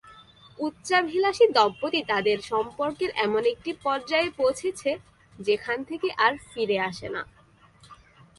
উচ্চাভিলাষী দম্পতি তাদের সম্পর্কের এমন একটি পর্যায়ে পৌঁছেছে, যেখান থেকে আর ফিরে আসে না।